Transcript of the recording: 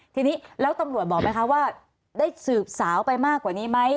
ทีนี้แล้วตำรวจบอกไหมคะว่าได้สืบสาวไปมากกว่านี้ไหม